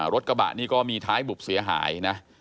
รถกระบะนี่ก็มีท้ายบุบเสียหายนะ